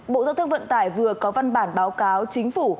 bộ giao thông vận tải vừa có văn bản báo cáo chính phủ